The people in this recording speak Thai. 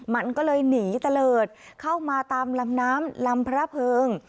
มันก็เลยหนีตะเลิศเข้ามาตามลำน้ำลำพระเพิง